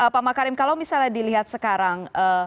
pak makarim kalau misalnya dilihat sekarang